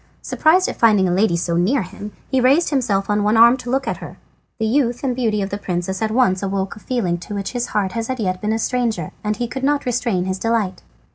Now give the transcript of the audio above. Surprised at finding a lady so near him, he raised himself on one arm to look at her. The youth and beauty of the princess at once awoke a feeling to which his heart had as yet been a stranger, and he could not restrain his delight.